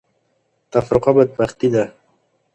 تفرقه بدبختي ده.